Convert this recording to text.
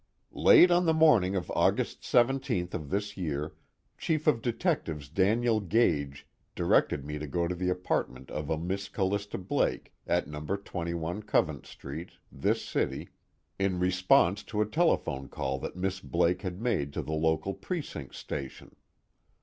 "Late on the morning of August 17th of this year, Chief of Detectives Daniel Gage directed me to go to the apartment of a Miss Callista Blake at No. 21 Covent Street, this city, in response to a telephone call that Miss Blake had made to the local precinct station.